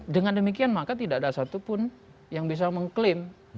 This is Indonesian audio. dengan demikian maka tidak ada satupun yang bisa mengklaim